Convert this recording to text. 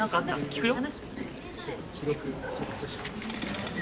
聞くよ。